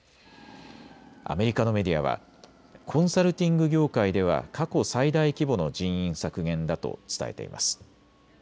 アメリカのメディアはコンサルティング業界では過去最大規模の人員削減だと伝えています。